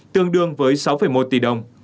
tương đương với sáu một tỷ đồng